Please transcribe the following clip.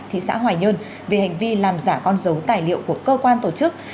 thị xã hoài nhơn về hành vi làm giả con dấu tài liệu của cơ quan tổ chức